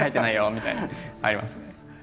みたいなありますね。